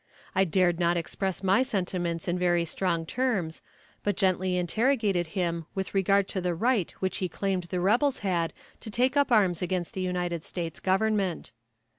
I dared not express my sentiments in very strong terms, but gently interrogated him with regard to the right which he claimed the rebels had to take up arms against the United States Government.